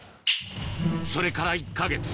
それから１か月